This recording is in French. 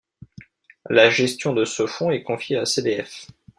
La gestion de ce fond est confié à CdF.